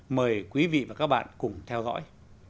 mời quý vị và các bạn cùng theo dõi